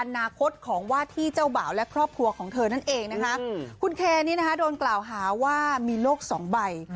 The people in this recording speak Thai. ของว่าที่เจ้าบ่าวและครอบครัวของเธอนั่นเองนะคะคุณเคนี่นะคะโดนกล่าวหาว่ามีโรคสองใบ